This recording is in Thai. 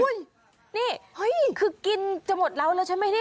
นี่คือกินจะหมดแล้วใช่ไหมนี่